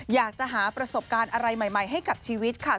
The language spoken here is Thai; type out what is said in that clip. อยากจะหาประสบการณ์อะไรใหม่ให้กับชีวิตค่ะ